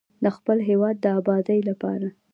د خپل هیواد د ابادۍ لپاره.